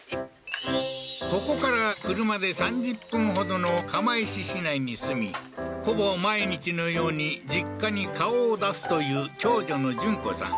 ここから車で３０分ほどの釜石市内に住みほぼ毎日のように実家に顔を出すという長女の純子さん